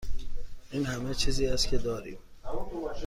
این همه چیزی است که داریم.